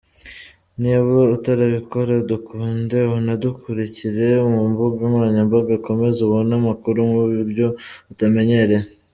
Niba utarabikora! Dukunde unadukurikire ku mbuga nkoranyambaga ukomeze ubone amakuru mu buryo utamenyereye.